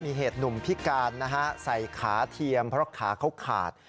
มีเหตุหนุ่มพิการนะฮะใส่ขาเทียมเพราะขาเขาขาด